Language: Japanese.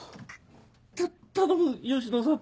た頼む吉野さん。